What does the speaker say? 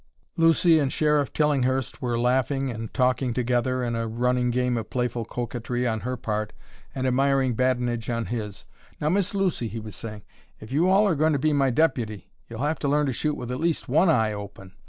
Lucy and Sheriff Tillinghurst were laughing and talking together in a running game of playful coquetry on her part and admiring badinage on his. "Now, Miss Lucy," he was saying, "if you all are going to be my deputy, you'll have to learn to shoot with at least one eye open.